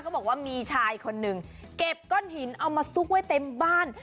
บอกว่ามีชายคนหนึ่งเก็บก้อนหินเอามาซุกไว้เต็มบ้าน